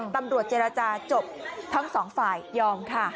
ตำรวจเจรจาจบทั้งสองฝ่ายยอมค่ะ